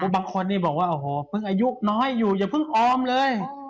บางคนบอกว่าพึ่งอายุง่อยอยุ่อย่าพึ่งออมเลย